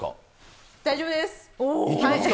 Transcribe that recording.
大丈夫ですか。